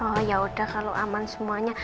oh yaudah kalau aman semuanya